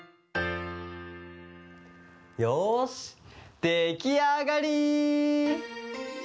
よしできあがり！